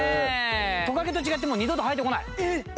トカゲと違ってもう二度と生えてこない。